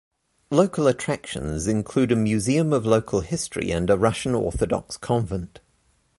Local attractions include a museum of local history and a Russian Orthodox convent.